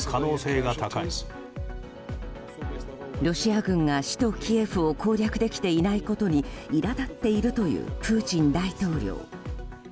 ロシア軍が首都キエフを攻略できていないことにいら立っているというプーチン大統領。